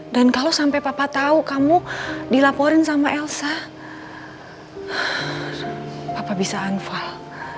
dan kalau sampai papa tahu kamu dilaporin sama elsa papa bisa unfall